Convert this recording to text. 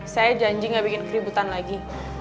saya janji gak bikin keributan lagi